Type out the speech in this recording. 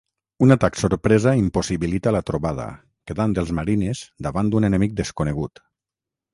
Un atac sorpresa impossibilita la trobada, quedant els marines davant d'un enemic desconegut.